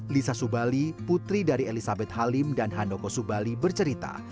lisa subali putri dari elizabeth halim dan handoko subali bercerita